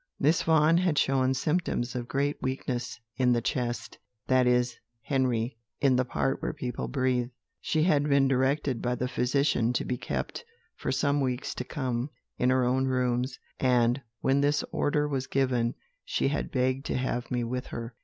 "Miss Vaughan had shown symptoms of great weakness in the chest that is, Henry, in the part where people breathe. She had been directed by the physician to be kept, for some weeks to come, in her own rooms; and when this order was given, she had begged to have me with her.